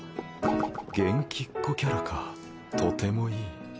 元気っ子キャラかとてもいい